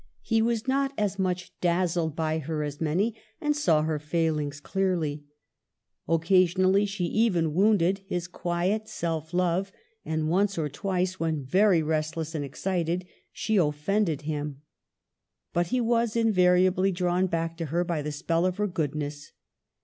He was not as much dazzled by her as many, and saw her failings clearly. Occasionally she even wounded his quiet self love, and once or twice, when very rest less and excited, she offended him. But he was invariably drawn back to her by the spell of her goodness.